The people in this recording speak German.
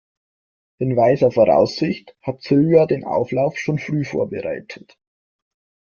In weiser Voraussicht hat Silvia den Auflauf schon früh vorbereitet.